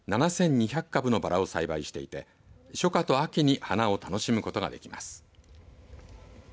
株のばらを栽培していて初夏と秋に花を楽しむことができます。